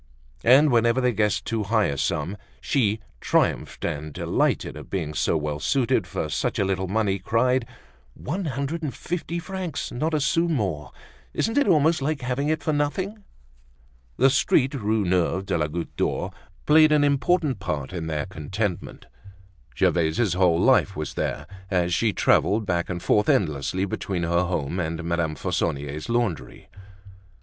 And whenever they guessed too high a sum, she triumphed and delighted at being so well suited for such a little money, cried: "One hundred and fifty francs, not a sou more! Isn't it almost like having it for nothing!" The street, Rue Neuve de la Goutte d'Or, played an important part in their contentment. Gervaise's whole life was there, as she traveled back and forth endlessly between her home and Madame Fauconnier's laundry.